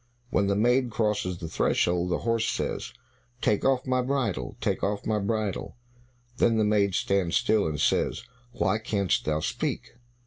When the maid crosses the threshold, the horse says, "Take off my bridle, take off my bridle." Then the maid stands still, and says, "What, canst thou speak?"